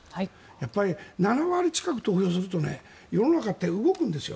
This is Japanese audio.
やっぱり７割近く投票すると世の中って動くんですよ。